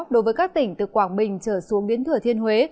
đối với các tỉnh từ quảng bình trở xuống đến thừa thiên huế